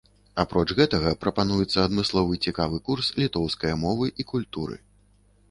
Апроч гэтага прапануецца адмысловы цікавы курс літоўскае мовы і культуры.